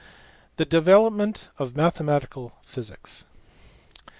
The development of mathematical physics.